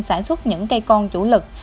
sản xuất những cây con chủ lực